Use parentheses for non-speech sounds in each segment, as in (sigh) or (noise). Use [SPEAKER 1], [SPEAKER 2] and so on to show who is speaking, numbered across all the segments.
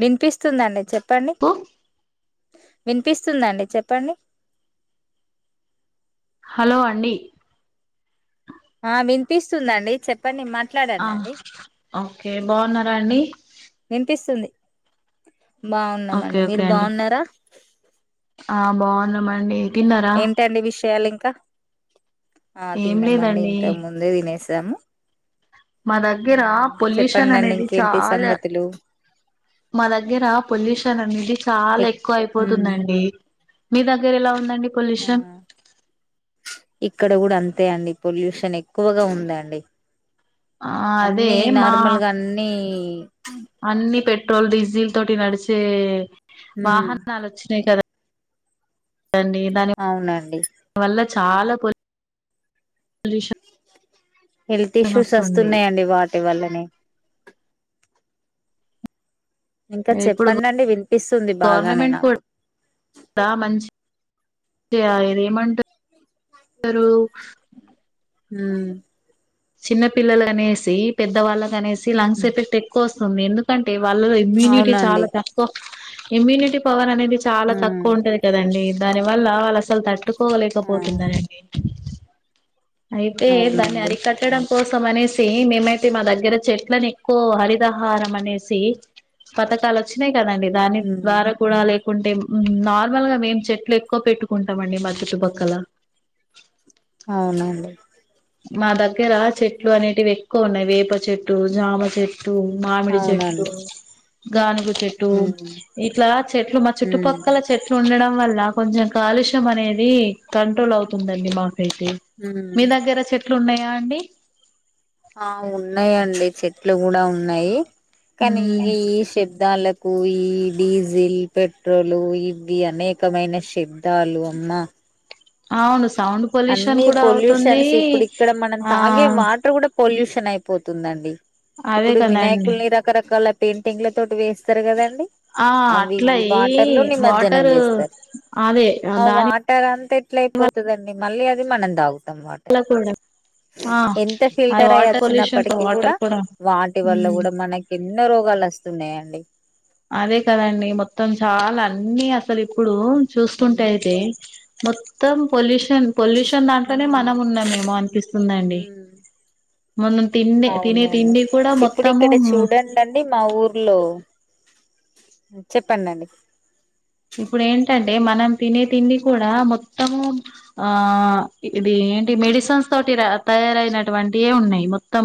[SPEAKER 1] వినిపిస్తుందండి చెప్ప పని
[SPEAKER 2] కు
[SPEAKER 1] వినిపిస్తుందండి చెప్పండి
[SPEAKER 2] హలో అండి
[SPEAKER 1] ఆ వినిపిస్తుందండి చెప్పండి మా
[SPEAKER 2] ఆ
[SPEAKER 1] (unintelligible)
[SPEAKER 2] ఓకే బావున్నారా అండి
[SPEAKER 1] వినిపిస్తుంది
[SPEAKER 2] ఓకే
[SPEAKER 1] బావున్నామండి
[SPEAKER 2] ఓకే
[SPEAKER 1] మీరు
[SPEAKER 2] అండి
[SPEAKER 1] బావున్నారా
[SPEAKER 2] ఆ బావున్నాం మండి తిన్నారా
[SPEAKER 1] ఏంటండి విషయాలు ఇంకా ఆ
[SPEAKER 2] ఏం
[SPEAKER 1] తిన్న మండి
[SPEAKER 2] లేదండి
[SPEAKER 1] ఇంత ముందే తినేసినం దము
[SPEAKER 2] మా దగ్గర పొల్యూషన్ అనేది
[SPEAKER 1] ఇంకేంటి
[SPEAKER 2] చాలా
[SPEAKER 1] సంగతులు
[SPEAKER 2] మా దగ్గర పొల్యూషన్ అనేది చాలా ఎక్కువ
[SPEAKER 1] ఉమ్
[SPEAKER 2] అయిపోతుందండి మీ దగ్గర ఎలా ఉంది
[SPEAKER 1] ఆ ఇక్కడ కూడా అంతే అండి పొల్యూషన్ ఎక్కువగా ఉందండి
[SPEAKER 2] ఆ అదే
[SPEAKER 1] అన్ని
[SPEAKER 2] మా
[SPEAKER 1] నార్మల్గా అన్ని
[SPEAKER 2] అన్ని పెట్ పెట్రోల్ డీజిల్ తోటి నడిచే
[SPEAKER 1] ఉమ్
[SPEAKER 2] వాహనాలు వచ్చినాయి కదా కదండి దాని
[SPEAKER 1] అవునండి
[SPEAKER 2] వల్ల చాలా పొల్యూషన్
[SPEAKER 1] హెల్త్ ఇష్యూస్
[SPEAKER 2] వస్తుంది
[SPEAKER 1] వస్తున్నాయంండి వాటి వల్లనే ఇంకా
[SPEAKER 2] ఇప్పుడు
[SPEAKER 1] చెప్పండి అండి వినిపిస్తుంది బాగానే
[SPEAKER 2] గవర్నమెంట్
[SPEAKER 1] నాకు
[SPEAKER 2] (unintelligible) ఏమంటరు
[SPEAKER 1] హు
[SPEAKER 2] చిన్న పిల్లలు అనేసి పెద్ద వాళ్ళకనేసి లంగ్స్ ఎపెక్ట్ ఎక్కువస్తుంది (unintelligible) ఎందుకంట అంటే వాళ్ళ ఇమ్యూనిటీ
[SPEAKER 1] అవునండి
[SPEAKER 2] చాలా తక్కువ ఇమ్యూనిటీ పవర్ అనేది ఇది చాలా
[SPEAKER 1] ఉమ్
[SPEAKER 2] తక్కువ ఉంటది కదండి దాని వల్ల వాళ్ళు అసలు తట్
[SPEAKER 1] ఆ
[SPEAKER 2] పట్టుకోలేకపోతున్నారండి అయితే దాన్ని
[SPEAKER 1] అవునండి
[SPEAKER 2] అరికట్టడం కోసం అనేసి మేమైతే మా దగ్గర చెట్లలను ఎక్కువ హరితహారం అనేసి పథకాలు వచ్చినయి కదండి దాని
[SPEAKER 1] ఉమ్
[SPEAKER 2] ద్వారా కూడా లే కుంటే నార్మల్ గా మేం చెట్లు ఎక్కువ పెట్టుకుంటాము అండి మా చుట్టూ పక్కల
[SPEAKER 1] అవునండి
[SPEAKER 2] మా దగ్గర చెట్లు అనేటివి ఎక్కువ ఉన్నాయి వేప చెట్లు జామ చెట్టు చెట్టు మామిడి చెట్లు,
[SPEAKER 1] అవునండి
[SPEAKER 2] గానుగు చెట్టు,
[SPEAKER 1] ఉమ్
[SPEAKER 2] ఇట్లా చెట్లు మా
[SPEAKER 1] ఉమ్
[SPEAKER 2] చుట్టుపక్కల చెట్లు ఉండడం. వల్ల కొంచెం కాలుష్యం అనేది కంట్రోల్ అవుతుందండి మా (unintelligible)
[SPEAKER 1] ఉమ్
[SPEAKER 2] మీ దగ్గర ఉన్నాయా అండి
[SPEAKER 1] ఆ ఉన్నాయండి చెట్లు కూడా ఉన్నాయి కానీ ఈ
[SPEAKER 2] మ్మ్
[SPEAKER 1] ఈషబ్ శబ్దాలకు ఈ డీజిల్ పెట్రోల్ ఇవి అనేకమైన శబ్దాలు అమ్మా
[SPEAKER 2] అవును సౌండ్ పొల్యూషన్
[SPEAKER 1] అన్ని
[SPEAKER 2] కూడా అవుతుంది
[SPEAKER 1] పొల్యూషన్స్ ఇప్పుడు ఇక్కడ మనం
[SPEAKER 2] ఆ
[SPEAKER 1] తాగే వాటర్ కూడా పొల్యూషన్ షన్ అయిపోతుందండి
[SPEAKER 2] అదే
[SPEAKER 1] ఇప్పుడు
[SPEAKER 2] కదండి
[SPEAKER 1] వినాయకుల్ని రకరకాల పెయింటింగ్ల తోటి వేస్తారు కదండి
[SPEAKER 2] ఆ
[SPEAKER 1] అవి
[SPEAKER 2] అట్లా
[SPEAKER 1] ఈ వాటర్ లో నిమజ్జనం
[SPEAKER 2] వాటరు
[SPEAKER 1] చేస్తారు
[SPEAKER 2] అదే
[SPEAKER 1] ఆ
[SPEAKER 2] దాని
[SPEAKER 1] వాటర్ అంతా ఎట్ల అయిపోతది అంటే మళ్ళీ అది మనం దాగు త్త వాటర్
[SPEAKER 2] వల్ల కూడా ఆ
[SPEAKER 1] ఎంత
[SPEAKER 2] అది
[SPEAKER 1] ఫిల్టర్ అయి
[SPEAKER 2] వాటర్ పొల్యూషన్
[SPEAKER 1] వచ్చినప్పటికి కూడా
[SPEAKER 2] వాటర్
[SPEAKER 1] వాటి వల్ల
[SPEAKER 2] ఉమ్
[SPEAKER 1] కూడా మనకి ఎన్నో రోగాలు వస్తున్నాయండి.
[SPEAKER 2] అదే కదండి మొత్తం చాలా అన్ని అస్ అసలు ఇప్పుడు చూసుకుంటే
[SPEAKER 1] ఉమ్
[SPEAKER 2] అయితే మొత్తం పొల్యూషన్ పొల్యూషన్ దాంట్లోనే మనం ఉన్నామేమో అనిపిస్తుందండి
[SPEAKER 1] ఉమ్
[SPEAKER 2] మనం తిండే తినే
[SPEAKER 1] అవునండి
[SPEAKER 2] తిండి కూడా
[SPEAKER 1] ఇప్పుడు
[SPEAKER 2] మొత్తము
[SPEAKER 1] ఇక్కడ చెప్పండండి
[SPEAKER 2] ఇప్పుడు ఏంటంటే మనం తినే తిండి కూడా మొత్తము ఆ ఇది ఏంటి మెడిసిన్స్ తోటి తయారయినటువంటియే ఉన్నాయి మొత్తం.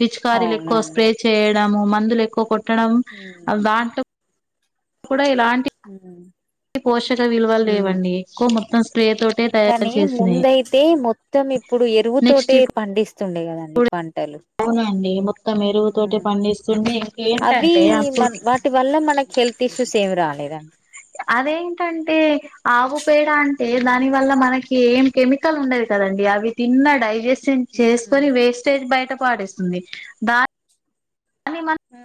[SPEAKER 2] పిచికారీలు ఎక్కువ
[SPEAKER 1] అవునండి
[SPEAKER 2] స్ప్రే చేయడము మ అందులో ఎక్కువ కో డం ఆ దాంట్లో కూడా ఇలాంటి పోషక విలువలు లేవండి కో ఆ
[SPEAKER 1] కానీ ముందయితే మొ మొత్తం ఇప్పుడు
[SPEAKER 2] నెక్స్ట్
[SPEAKER 1] ఎరువుతోటే
[SPEAKER 2] ఇప్పుడు
[SPEAKER 1] పండిస్ స్తుండే కదండి పంటలు
[SPEAKER 2] అవునండి మొత్తం ఎరువుతోటే
[SPEAKER 1] హ్మ్మ్
[SPEAKER 2] పండిస్తుంది
[SPEAKER 1] అవి
[SPEAKER 2] ఇంకేంటంటే అప్పుడు
[SPEAKER 1] మన వాటి వల్ల మనకి హెల్త్ ఇష్యూస్ ఏమి రాలే ఏదండి
[SPEAKER 2] అదేంటంటే ఆవు పేడ అంటే దాని వల్ల మనకి ఏం కెమికల్ ఉండదు కదండి అవి తిన్న డైజెస్ చేసుకొని వేస్టేజ్ బయట పాటిస్తుంది దాని
[SPEAKER 1] ఉ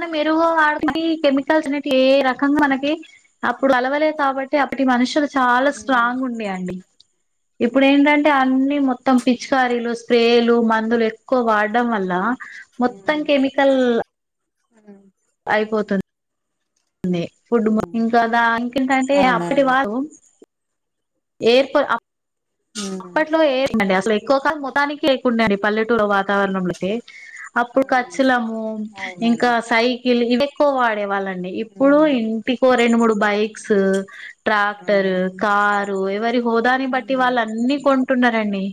[SPEAKER 2] నా మెరుగుగ వాటిని కెమికల్స్ అనేవి ఏ రకంగా మనకి అప్పుడు కలవలేదు కాబట్టి అప్పటి మనుషులు చాలా స్ట్రాంగ్ ఉన్నయండి ఇప్పుడు ఏంటంటే అన్నీ మొ త్తం పిచికారీలు స్పేలు మందులు ఎక్కువ వాడడం వల్ల మొత్తం కెమికల్
[SPEAKER 1] హ
[SPEAKER 2] అయిపోతుంది అ ఫుడ్ మంగ్ కదా ఇంకేంటంటే అప్పటి
[SPEAKER 1] అవునండి
[SPEAKER 2] వారు ఏప్ అప్పట్లో ఏ అండి అసలు ఎక్కువ కాలము మొత్తానికి లేకుండండి పల్లెటూరు వాతావరణంలకి అప్పుడు కచ్చులము ఇంకా సైకిల్ ఇ ఎక్కువ వాడే వాళ్లండి ఇప్పుడు ఇంటికి రెండు మూడు బైక్స్ ట్రాక్టర్, కార్ రో ఎవరి హోదాని బట్టి వాళ్ళ అన్నీ కొన్ టున్నారండి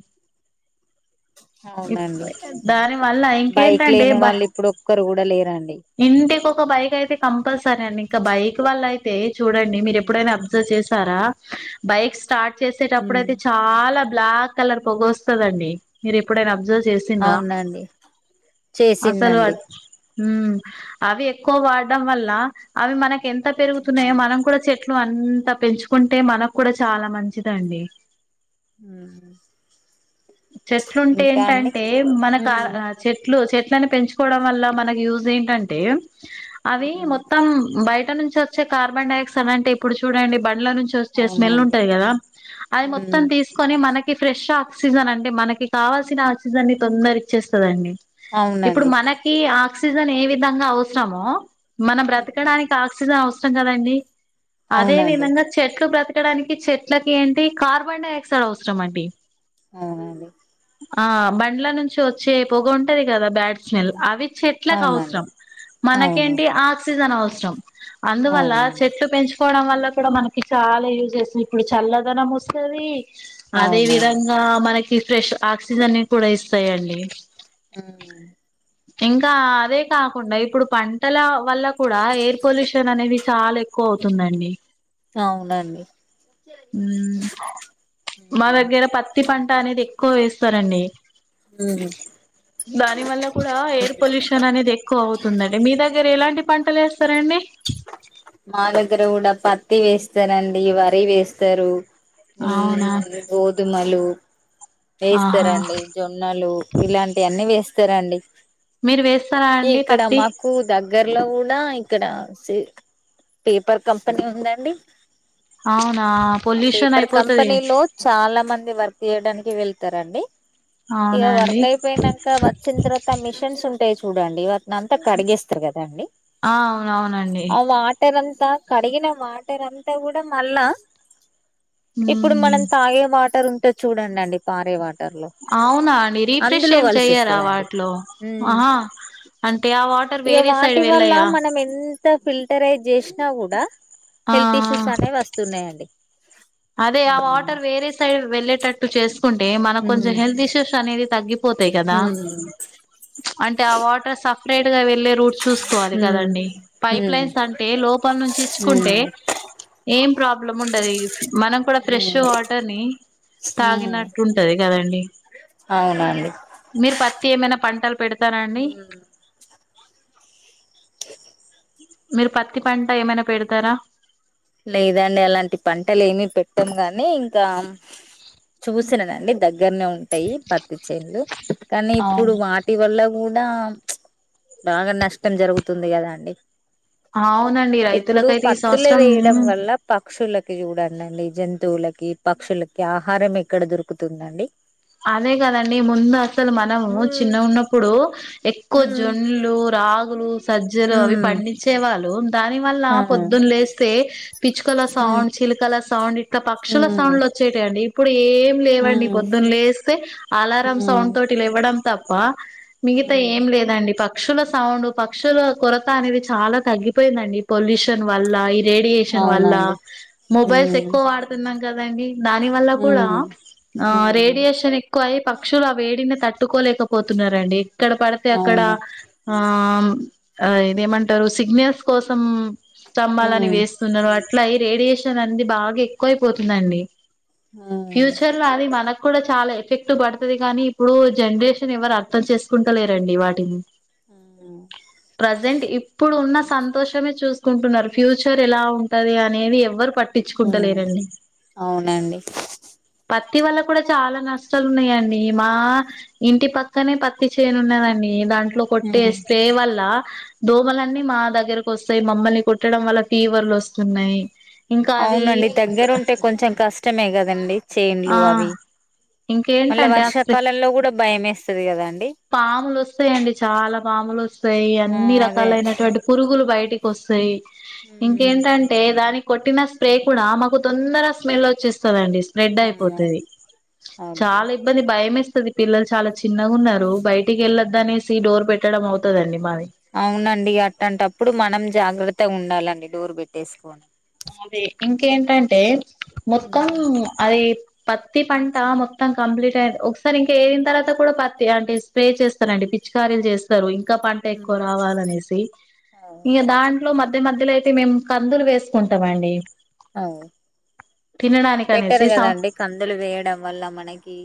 [SPEAKER 2] ఇప్
[SPEAKER 1] అవునండి
[SPEAKER 2] దాని వల్ల
[SPEAKER 1] బైక్
[SPEAKER 2] ఇంకేంటంటే
[SPEAKER 1] లేని
[SPEAKER 2] బ
[SPEAKER 1] వాళ్ళు ఇప్పుడు ఒక్కరు కూడా లేరండి
[SPEAKER 2] ఇంటికొ ఒక్క బైకయితే కమ్ ప్పల్సరి అండి ఇంక బైక్ వల్ల అయి తే చూడండి మీరు ఎప్పుడైనా అబ్జర్ చేస్ తరా బైక్స్ స్టార్ట్ చేసేటప్పుడు అయితే చాలా బ్లాక్ కలర్ పొగ వస్తుదండి మీరు ఎప్ ఎప్పుడైనా అబ్జర్వ్ చేసిండ్రా
[SPEAKER 1] అవునండి
[SPEAKER 2] అసలు
[SPEAKER 1] చేసిండండి
[SPEAKER 2] ఉ అవి ఎక్కువ వాడడం వల్ల అవి మన ఎంత పెరుగుతున్నాయో మనం కూడా చె ట్లో అంత పెంచుకుంటే మనకు కూడ చాలా మంచిదండి.
[SPEAKER 1] హ్మ్
[SPEAKER 2] చెట్లుంటే ఏంటంటే మనకు చెట్లు చెట్లు ట్లని పెంచుకోవడం వల్ల మనకి యూజ్ ఏంటంటే? అవి మొత్తం బయ ట నుంచొచ్చే కార్బన్డయాక్సం అంటే ఇప్పుడు చూడండి బ ల నుంచి వచ్చే స్మెల్
[SPEAKER 1] అవునండి
[SPEAKER 2] ఉంటది గదా, అది మొత్తం తీసుకొని మన ఫ్రెష్షా సీజన్ అంటే మనకి కావాల్సిన ఆక్సిజన్ ని తొందర ఇచ్చేస్తదండి. ఇప్పుడు
[SPEAKER 1] అవునండి
[SPEAKER 2] మనకి ఆ క్సిజన్ ఏ విధంగా అవసరమో మనం బ్రతకడానికి ఆక్సిజన్ అవు సరం కదండి. అదే
[SPEAKER 1] అవునండి
[SPEAKER 2] విధంగా చెట్లు బ్రతి పెట్టడానికి చెట్లకి ఏంటి కార్బన్ డై ఆక్సైడ్ అవసరం అండి.
[SPEAKER 1] అవునా అండి
[SPEAKER 2] ఆ బండ్ల నుంచి వచ్చే పొగ ఉంటది కదా బ్యాడ్ స్మెల్ అవి చెట్లకు
[SPEAKER 1] అవునండి
[SPEAKER 2] అవుసరం
[SPEAKER 1] అవును
[SPEAKER 2] మనకేంటి ఆక్సిజన్ అవు సం అందువల్ల
[SPEAKER 1] అవునండి
[SPEAKER 2] చెట్లు పెంచు పోవడం వల్ల కూడా మనకి చాలా యూజస్ ఇప్పుడు చల్లదనం వస్తది అదే
[SPEAKER 1] అవునండి
[SPEAKER 2] విధంగా మనకి ఫ్రెష్ ఆక్సిజన్ని కూడా ఇస్తాయండి ఇంకా అదే కాకుండా ఇప్పుడు పంటల వల్ల కూడా ఎయిర్ పొల్యూషన్ అనేది చాలా ఎక్కువ అవుతుదండి
[SPEAKER 1] అవునండి
[SPEAKER 2] హ్మ్ మ దెగ్గర ప పంట అనేది ఎక్కువ ఎస్తారు అండి దాన్ని వాళ్ళ కూడా ఎయిర్ పొల్యూషన్ అనేది ఎక్కువ అవుతుంది అండి మీ దెగ్గర ఎ ఎలాంటి పంటలు వేస్తారండి
[SPEAKER 1] మా దగ్గర గూడ పత్తి వేస్తరండి వరి వేస్తరు.
[SPEAKER 2] అవునా
[SPEAKER 1] మ్మ్ గోధమలు
[SPEAKER 2] ఆహా
[SPEAKER 1] వేస్తరండి జొన్నలు ఇలాంటి అన్ని వేస్ సరే అండి.
[SPEAKER 2] మీరు వేస్తారా అండి పత్తి?
[SPEAKER 1] డ్ల కూడా ఇక్కడ సె పేపర్ కంపెనీ ఉందండి.
[SPEAKER 2] అవునా
[SPEAKER 1] ఆ
[SPEAKER 2] పొల్యూషన్
[SPEAKER 1] పేపర్
[SPEAKER 2] అయిపోతది
[SPEAKER 1] కంపెనీ లో చాలా మంది వర్క్ చేయడాని వెళ్తారాండి ఇక
[SPEAKER 2] అవునా అండి
[SPEAKER 1] వర్క్ అయిపోయినంక వచ్చిన తరువాత మిషన్స్ ఉం ఉంటాయి చూడండి నాంతా కడిగేస్తారు కదా అండి
[SPEAKER 2] ఆ అవునవునండి
[SPEAKER 1] ఆ వాటర్ అం అంత కడిగిన వాటర్ అంతా కూడా మళ్ళా ఇప్పుడు మనం
[SPEAKER 2] ఉమ్
[SPEAKER 1] తాగే వాటర్ ఉం చూడండండి పారేవాట్
[SPEAKER 2] అవునా అండి రీఫ్రెష్ ఏం చెయరా
[SPEAKER 1] కలిసిస్తదండి
[SPEAKER 2] వాటిలో
[SPEAKER 1] ఉమ్
[SPEAKER 2] ఆహా అంటే ఆ వాటర్
[SPEAKER 1] ఇగ
[SPEAKER 2] వేరే సైడ్
[SPEAKER 1] వాటి వల్ల
[SPEAKER 2] వెళ్ళయా
[SPEAKER 1] చ కూడా
[SPEAKER 2] ఆ
[SPEAKER 1] హెల్త్
[SPEAKER 2] ఆ.
[SPEAKER 1] ఇష్యూస్ అనేవి వస్తున్నాయండి
[SPEAKER 2] అదే ఆ వాటర్ వేరే సైడ్ వెళ్ళేటట్టు చేస్ కుంటే మన కొంచెం హెల్త్ ఇష్యూస్ అనేది తగ్గి పోతాయ్ కదా అంటే ఆహ్ వాటర్ సెపెరేట్ గ వెళ్లే రూట్ చూసుకోవాలి కదండి పైప్
[SPEAKER 1] ఉమ్
[SPEAKER 2] లైన్స్ అంటే లోపల నుంచి ఇచ్చుకుంటే ఏం ప్రాబ్లం ఉండది మనం కూడా ఫ్రెష్ వాటర్ ని
[SPEAKER 1] ఉమ్
[SPEAKER 2] తాగినట్టుంటది కదండి
[SPEAKER 1] అవునండి
[SPEAKER 2] మీరు పత్తి ఏమైనా పంటలు పెడుత
[SPEAKER 1] మ్
[SPEAKER 2] మీరు పత్తి పంట ఏమైనా పెడతారా
[SPEAKER 1] లేదండి అలాంటి పంటలు ఏమి పెట్టము గాని ఇంకా చూసినదండి దగ్గర దగ్గరనే ఉంటాయి పత్తి చెనులు కానీ ఇప్పుడు
[SPEAKER 2] అవును
[SPEAKER 1] వాటి వల్ల కూడా బాగా నష్టం జరుగుతుంది కదా అండి
[SPEAKER 2] అవునండి రైతులకైతే ఈ సంవత్సరం
[SPEAKER 1] అలా పక్షులకి చూడండి అండి జంతువులకి పక్షులకి ఆహారం ఇక్కడ దొరుకుతుందండి
[SPEAKER 2] అదే కదండి ముందు అసలు మనము
[SPEAKER 1] ఉమ్
[SPEAKER 2] చిన్న ఉన్నప్పుడు ఎక్కువ
[SPEAKER 1] ఉమ్
[SPEAKER 2] జొన్నలు రాగులు సజ్జలు అవి
[SPEAKER 1] ఉమ్
[SPEAKER 2] పండించే వాళ్ళు దాని వల్ల
[SPEAKER 1] ఆ
[SPEAKER 2] పొద్దున్న లేస్తే పిచ్చుకల
[SPEAKER 1] ఉమ్
[SPEAKER 2] సౌండ్ చిలుకల సౌండ్ పక్షుల సౌండ్లు వచ్చేటియండి ఏం లేవండి పొద్దున్న లేస్ సే అలారం సౌండ్ తోటి లేవ్వడం తప్ వా మిగతా ఏం లేదండి పక్క పక్షుల సౌండ్ పక్షుల కొరత అనేది చాలా తగ్గిపోయిందండి పొల్యూషన్ వల్ల ఈ రేడియేషన్ వల్ల మొబైల్స్ ఎక్కువ వాడుతున్నాం కదండి దాని వల్ల కూడా రేడియేషన్ ఎక్కువ అయి పక్షులు ఆ వేడిని తట్టుకోలేకపోతున్నరండి ఎక్కడ పడితే అక్కడ ఆ ఆ ఇదేమంటారు సిగ్నల్స్ కోసం స్తంభాలని వేస్తున్నారు అట్లాయి రేడియేషన్ అనేది బాగా ఎక్కువయిపోతుందండి ఫ్యూచర్ లో అవి మనకు కూడా చాలా ఎఫెక్ట్ పడుతుది కానీ ఇప్పుడు జనరేషన్ ఎవరు అర్థం చేసుకుంటలేరండి వాటిని ప్రెజెంట్ ఇ ఇప్పుడు ఉన్న సంతోషమే చూసుకుంటున్నారు ఫ్యూచర్ ఎలా ఉంటది అనేది ఎవరు పట్టిచ్చుకుంటలేరండి
[SPEAKER 1] అవునండి
[SPEAKER 2] ప టీ వల్ల కూడా చాలా నష్టాలు ఉన్నాయిండి మా ఇంటి పక్కనే పత్తి చేనున్నదండి దాం లో కొట్టే స్ప్రే వల్ల దోమలన్నీ మా దగ్గరకు వస్తాయి మమ్మల్ని కుట్టడం వల్ల ఫీవర్లు వస్తున్నాయి ఇంకా అది
[SPEAKER 1] అవునండి దగ్గరుంటే కొంచెం కష్టమే కదండి చేన్లు
[SPEAKER 2] ఆ
[SPEAKER 1] అవి మళ్ళ
[SPEAKER 2] ఇంకేంటంటే అసలు
[SPEAKER 1] వర్షాకాలంలో కూడా భయమేస్తది కదా
[SPEAKER 2] పాములు ఒస్తయండి చాలా పాములు ఒస్ యి
[SPEAKER 1] ఆ
[SPEAKER 2] అన్ని
[SPEAKER 1] అదే
[SPEAKER 2] రకాలైనటువంటి పురుగులు బయటికి వస్తాయి ఇంకేంటంటే దానికి కొట్టిన స్ప్రే కూడా మాకు తొందరగా స్మెల్ వచ్చెస్తదండి స్ప్రెడ్ అయిపోతుది
[SPEAKER 1] అబ్బో
[SPEAKER 2] చాలా ఇబ్బంది భయమేస్త దీని పిల్లలు చాలా చిన్నగా ఉన్నారు నువ్ బయటికి వెళ్ళొద్దు అనేసి డోర్ పెట్టడం అవుతదండి మాది
[SPEAKER 1] అవునండి అట్లాంటప్పుడు మనం జాగ్రత్తగా ఉండాలండి డోరు పెట్టేసుకొని
[SPEAKER 2] అదే ఇంకేంటంటే మొత్తం అది పత్తి పంట మొత్తం కంప్లీట్ అయి ఒకసారి ఇంకా ఏం తర్వాత కూడా పత్తి అంటే స్ప్రే చేస్తారండి పిచికారీలు చేస్తారు ఇం ఇంకా పంట ఎక్కువ రావాలనేసి
[SPEAKER 1] అవు
[SPEAKER 2] ఇగ దాంట్లో మ ఈ మధ్యలోయితే మేం కందులు వేస్ కుంటమండి
[SPEAKER 1] అవు (inaudible) బెటర్
[SPEAKER 2] అనేసి సం
[SPEAKER 1] కదండి కందులు వేయడం వల్ల మనకి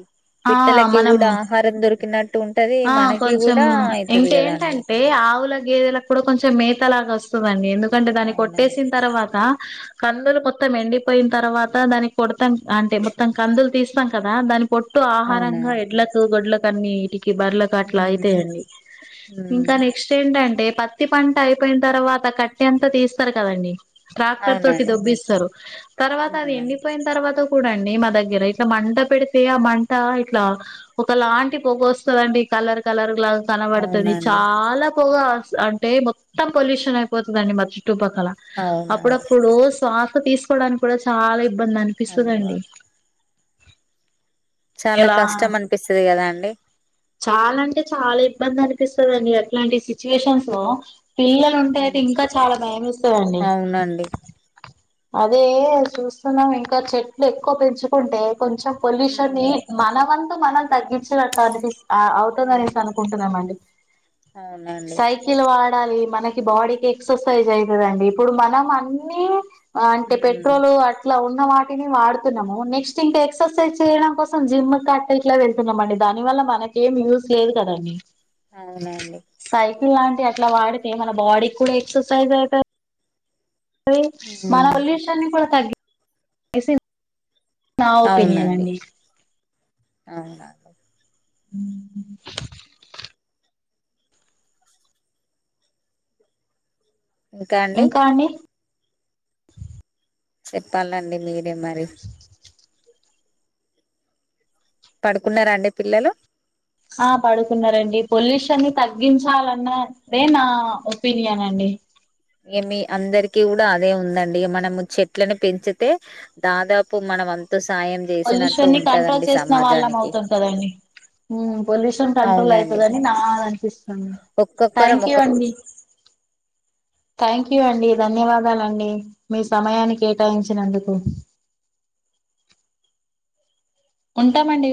[SPEAKER 2] ఆ
[SPEAKER 1] పిట్టలకి
[SPEAKER 2] మనం
[SPEAKER 1] కూడా ఆహారం దొరికినట్టు ఉంటది
[SPEAKER 2] ఆ
[SPEAKER 1] మనకి
[SPEAKER 2] కొంచెం
[SPEAKER 1] కూడా ఐతది కదండి
[SPEAKER 2] ఇంకేంటంటే ఆవుల గేదెలకు కూడా కొంచెం మేత లాగా వస్తదండి ఎండు కంటే దానికి
[SPEAKER 1] అవునండి
[SPEAKER 2] కొట్టేసిన తర్వాత క కందులు మొత్తం ఎండిపోయిన తర్వాత దానికి కొడతాం అంటే మొత్తం కందులు తీస్తాం కదా దాని పొట్టు ఆహారంగా
[SPEAKER 1] అవునండి
[SPEAKER 2] ఎడ్లలకు గొడ్లకు కన్నీటి కి బర్లకు అట్ల
[SPEAKER 1] ఉమ్
[SPEAKER 2] అయితయండి
[SPEAKER 1] ఉమ్
[SPEAKER 2] ఇంకా నెక్స్ట్ ఏంటం అంటే పత్తి పంట అయిపోయిన తర్వాత కట్టి అంత తీస్తారు కదండి ట్రాక్టర్ తోటి
[SPEAKER 1] అవునండి
[SPEAKER 2] దొబ్బిస్తరు తర్వాత అది
[SPEAKER 1] అవునండి
[SPEAKER 2] ఎండిపోయిన తర్వాత చూడండి మా దగ్గర ఇట్లా మంట పెడితే ఆ మంట ఇట్లా ఒక లాంటి పొగ వస్తదండి కలర్ కలర్ లా కనబడతది
[SPEAKER 1] అవునండి
[SPEAKER 2] చాలా పొగా ప్స్ అంటే మొత్తం పొల్యూషన్ అయిపోతదండి మరి ట్టుపక్కల
[SPEAKER 1] అవునండి
[SPEAKER 2] అప్పుడప్పుడు శ్వాస్ తీసుకోవడానికి కూడా చాలా ఇబ్ ఇబ్బంది
[SPEAKER 1] అబ్బా
[SPEAKER 2] అనిపిస్తుందండి
[SPEAKER 1] చాలా కష్టం అనిపిస్తుది కదా అండి
[SPEAKER 2] చాలా అంటే చాలా ఇబ్బంది అనిపిస్తుందండి అట్లాంటి సిచ్యువేషన్స్ లో పిల్లలు ఉంటే అయితే
[SPEAKER 1] ఉమ్
[SPEAKER 2] ఇంకా చాలా భయం ఏస్తదండి.
[SPEAKER 1] అవునండి
[SPEAKER 2] అదే చూస్తున్నాం ఇంకా చెట్లు ఎక్కువ పెంచుకుంటే కొంచ పొల్యూషన్ని
[SPEAKER 1] ఉమ్
[SPEAKER 2] అదంత మనం తగ్గించే అట్లాటిది ఆ అవుతుందనేసి
[SPEAKER 1] ఉమ్
[SPEAKER 2] అనుకుంటున్నామండి
[SPEAKER 1] అవునండి
[SPEAKER 2] సైకిల్ వా మళ్ళీ మనకి బాడీకి ఎక్ససైజ్ ఐతదండి ఇప్పుడు మనం అన్ని అంటే
[SPEAKER 1] ఉమ్
[SPEAKER 2] పెట్రోలు అట్ల ఉన్ వాటిని వాడుతున్నాము నెక్స్ట్ ఇంకా ఎక్సర్సైజ్ చేయడం కోసం సం జిమ్ కట్ట ఇట్లా వెళ్తున్నాంమండి, దాని వల్ల మనకి ఏం యూజ్ లేదు కదండి.
[SPEAKER 1] అవునండి
[SPEAKER 2] సైకిల్ లాంటివి అట్ల వాడితే మన బాడీకి కూడా ఎక్సర్సైజ్ అవుతది మళ్ళీ మన ఉల్లిషాన్ని కూడా తగి ఎసిన్ (inaudible) నా ఒపీనియన్ అండి
[SPEAKER 1] అవునా
[SPEAKER 2] హు హు ఇంకా అండి
[SPEAKER 1] చెప్పాలండి మీరె కే మరి పడుకున్నారా అండి పిల్లలు
[SPEAKER 2] ఆ పడుకున్నారండి. పొల్యూషన్ని తగ్గించాలన్నదే నా ఒపీనియన్ అండి.
[SPEAKER 1] ఏమి అందరికీ కూడా అదే ఉందండి మనము చెట్లను పెంచితే దాదాపు మనం అంత
[SPEAKER 2] పొల్యూషన్ ని కంట్రోల్ చేసిన వాళ్ళం
[SPEAKER 1] సమాజానికి
[SPEAKER 2] అవుతాం కదా అండి. ఉమ్ పొల్యూషన్ కంట్రోల్
[SPEAKER 1] అవునండి
[SPEAKER 2] అయితది అని నా అనిపిస్తుంది.
[SPEAKER 1] ఒక్కొక్కరం
[SPEAKER 2] థ్యాంక్
[SPEAKER 1] ఒక్కొ
[SPEAKER 2] యూ అండి. థ్యాంక్ యూ అండి ధన్యవాదాలండి మీ సమయాన్ని కేటాయించినందుకు ఉంటామండి